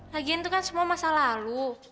lagian itu kan semua masa lalu